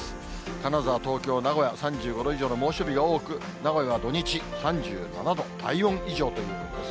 金沢、東京、名古屋、３５度以上の猛暑日が多く、名古屋は土日、３７度、体温以上ということです。